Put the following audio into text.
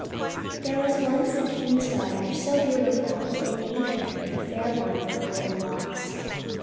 There was once a king's daughter so beautiful that they named her the Fair One with Golden Locks.